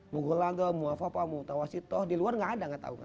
mugulagam muafapam mutawasito di luar nggak ada nggak tahu